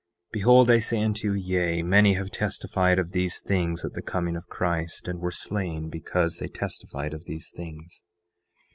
10:15 Behold, I say unto you, Yea, many have testified of these things at the coming of Christ, and were slain because they testified of these things.